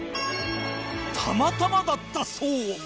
たまたまだったそう